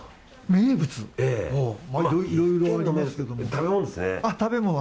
食べ物ですね。